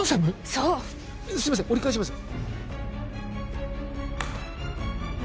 そうすいません折り返します